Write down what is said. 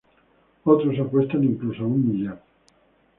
Otros, apuestan incluso a un millar.